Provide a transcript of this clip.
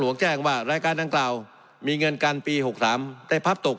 แจ้งว่ารายการดังกล่าวมีเงินกันปี๖๓ได้พับตก